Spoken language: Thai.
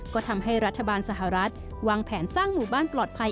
ก็ทำให้รัฐบาลสหรัฐวางแผนสร้างหมู่บ้านปลอดภัย